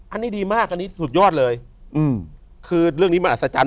อันนี้ดีมากอันนี้สุดยอดเลยอืมคือเรื่องนี้มันอัศจรรย